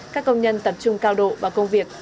các công nhân tập trung cao độ vào công việc